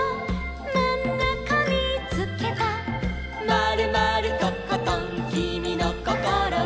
「まるまるとことんきみのこころは」